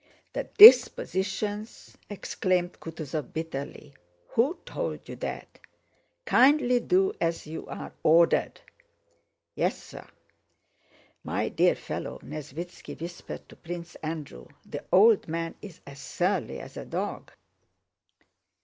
"The dispositions!" exclaimed Kutúzov bitterly. "Who told you that?... Kindly do as you are ordered." "Yes, sir." "My dear fellow," Nesvítski whispered to Prince Andrew, "the old man is as surly as a dog."